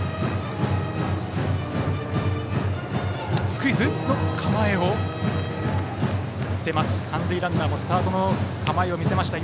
スクイズの構えを見せました。